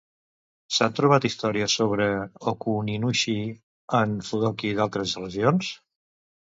S'han trobat històries sobre Ōkuninushi en Fudoki d'altres regions?